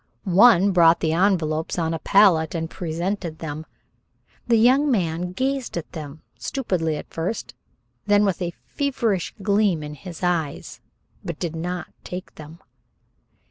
One brought the envelopes on a palette and presented them. The young man gazed at them, stupidly at first, then with a feverish gleam in his eyes, but did not take them.